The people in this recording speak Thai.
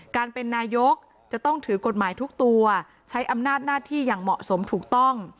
การเป็นนายกจะต้องถือกฎหมายทุกตัวใช้อำนาจหน้าที่อย่างเหมาะสมถูกต้อง